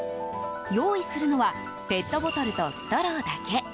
用意するのはペットボトルとストローだけ。